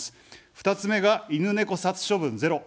２つ目が犬猫殺処分ゼロ。